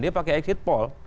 dia pakai exit poll